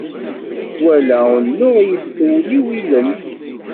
Twala unuɣ yettewliwilen.